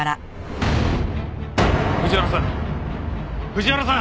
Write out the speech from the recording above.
藤原さん！